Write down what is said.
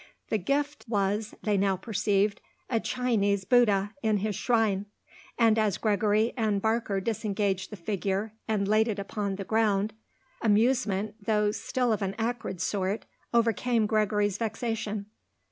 The gift was, they now perceived, a Chinese Bouddha in his shrine, and, as Gregory and Barker disengaged the figure and laid it upon the ground, amusement, though still of an acrid sort, overcame Gregory's vexation.